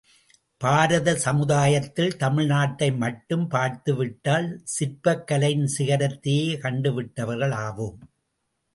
பாரத சமுதாயத்தில் தமிழ்நாட்டை மட்டும் பார்த்து விட்டால் சிற்பக் கலையின் சிகரத்தையே கண்டு விட்டவர்கள் ஆவோம்.